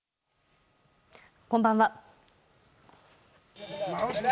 こんばんは。